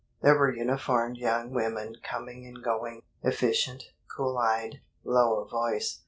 There were uniformed young women coming and going, efficient, cool eyed, low of voice.